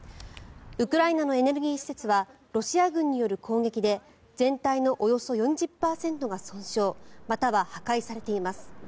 ウクライナのエネルギー施設はロシア軍による攻撃で全体のおよそ４０％が損傷または破壊されています。